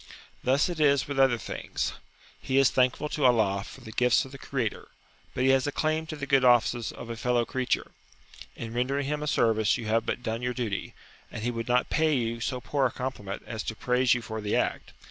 Thus it is with other things. He is thankful to Allah for the gifts of the Creator, but he has a claim to the good offices of a fellow creature. In rendering him a service you have but done your duty, and he would not pay you so poor a compliment as to praise you for the act.